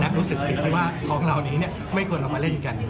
และรู้สึกผิดที่ว่าของเรานี้ไม่ควรเอามาเล่นกัน